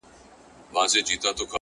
گراني رڼا مه كوه مړ به مي كړې،